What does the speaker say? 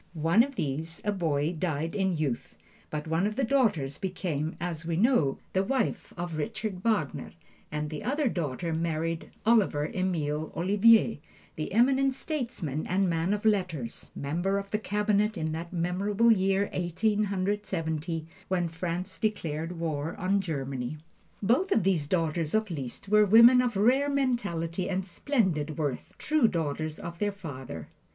One of these, a boy, died in youth, but one of the daughters became, as we know, the wife of Richard Wagner, and the other daughter married Oliver Emile Ollivier, the eminent statesman and man of letters member of the Cabinet in that memorable year, Eighteen Hundred Seventy, when France declared war on Germany. Both of these daughters of Liszt were women of rare mentality and splendid worth, true daughters of their father.